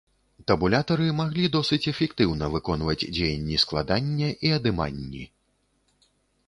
Табулятары маглі досыць эфектыўна выконваць дзеянні складання і адыманні.